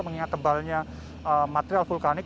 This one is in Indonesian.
mengingat tebalnya material vulkanik